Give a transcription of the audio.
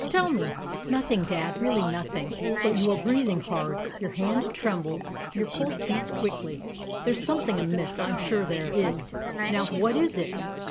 Tell me." "Nothing, dad really nothing." "But you are breathing hard; your hand trembles; your pulse beats quickly. There's something amiss I'm sure there is. Now, what is it?